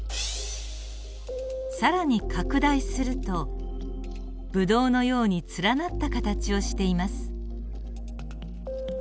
更に拡大するとブドウのように連なった形をしています。